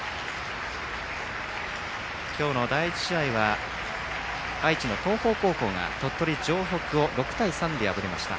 今日の第１試合は愛知の東邦高校が鳥取城北を６対３で破りました。